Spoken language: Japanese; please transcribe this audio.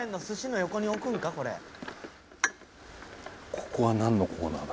ここはなんのコーナーだ？